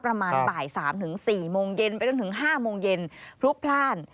ประมาณบ่าย๓ถึง๔โมงเย็นไปจนถึง๕โมงเย็นพลุกพลาด